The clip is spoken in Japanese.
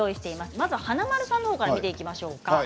まずは華丸さんのほうから見ていきましょうか。